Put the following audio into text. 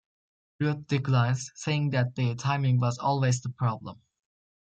Ruth declines, saying that their timing was always the problem.